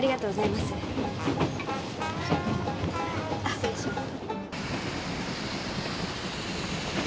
失礼します。